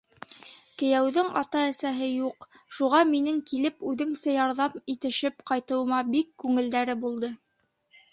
Кейәүҙең ата-әсәһе юҡ, шуға минең килеп үҙемсә ярҙам итешеп ҡайтыуыма бик күңелдәре булды.